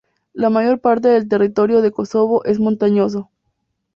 La mayor parte del territorio de Kosovo es montañoso.